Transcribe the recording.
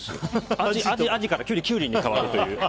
アジからキュウリに変わるという。